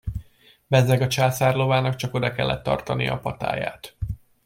Bezzeg a császár lovának csak oda kellett tartania a patáját.